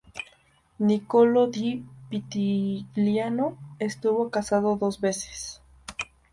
Niccolò di Pitigliano estuvo casado dos veces.